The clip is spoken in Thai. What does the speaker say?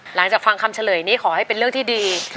หลังจากฟังคำเฉลยนี้ขอให้เป็นเรื่องที่ดี